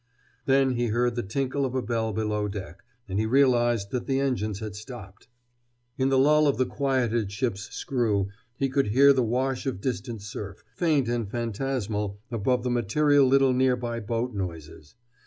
Then he heard the tinkle of a bell below deck, and he realized that the engines had stopped. In the lull of the quieted ship's screw he could hear the wash of distant surf, faint and phantasmal above the material little near by boat noises.